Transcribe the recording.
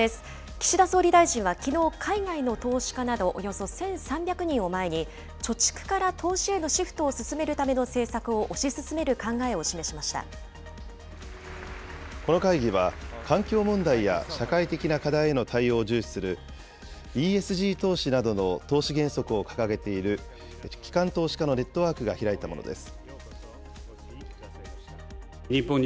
岸田総理大臣はきのう、海外の投資家などおよそ１３００人を前に、貯蓄から投資へのシフトを進めるための政策を推し進める考えを示この会議は、環境問題や社会的な課題への対応を重視するＥＳＧ投資などの投資原則を掲げている機関投資家のネットワークが開いたものです。